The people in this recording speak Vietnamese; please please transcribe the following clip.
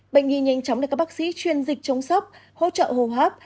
bệnh nhi nhanh chóng để các bác sĩ chuyên dịch chống sốc hỗ trợ hô hấp